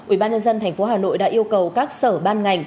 ủy ban nhân dân tp hà nội đã yêu cầu các sở ban ngành